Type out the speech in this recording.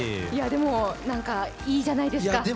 でも、いいじゃないですか。